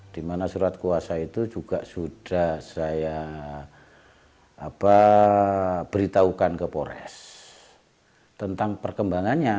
dimana surat kuasa itu juga sudah saya apa beritahukan ke polres tentang perkembangannya